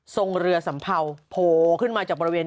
เรือสัมเภาโผล่ขึ้นมาจากบริเวณ